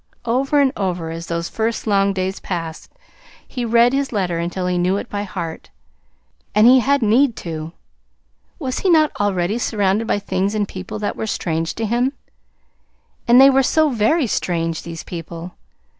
Over and over, as those first long days passed, he read his letter until he knew it by heart and he had need to. Was he not already surrounded by things and people that were strange to him? And they were so very strange these people!